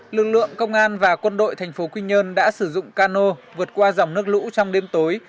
lực lượng công an và quân đội thành phố quy nhơn đã sử dụng cano vượt qua dòng nước lũ trong đêm tối